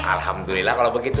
alhamdulillah kalau begitu